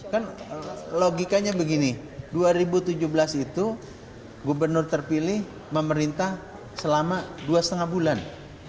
kan logikanya begini dua ribu tujuh belas itu gubernur terpilih memerintah selama dua lima bulan